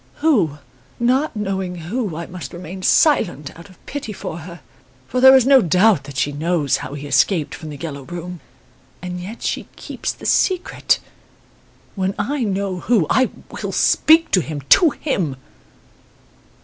Who? Not knowing who, I must remain silent, out of pity for her. For there is no doubt that she knows how he escaped from "The Yellow Room", and yet she keeps the secret. When I know who, I will speak to him to him!"